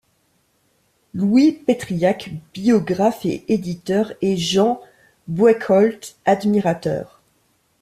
Louis Petriac, biographe et éditeur, et Jean Boekholt, admirateur.